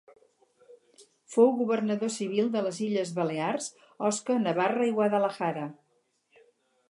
Fou governador civil de les Illes Balears, Osca, Navarra i Guadalajara.